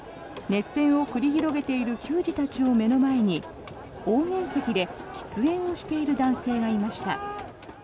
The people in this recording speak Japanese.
熱戦を繰り広げている球児たちを前に応援席で喫煙をしている男性がいました。